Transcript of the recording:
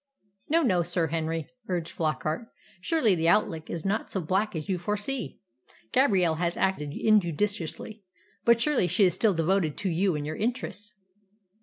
"No, no, Sir Henry!" urged Flockart. "Surely the outlook is not so black as you foresee. Gabrielle has acted injudiciously; but surely she is still devoted to you and your interests."